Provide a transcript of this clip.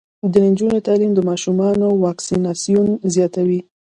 د نجونو تعلیم د ماشومانو واکسیناسیون زیاتوي.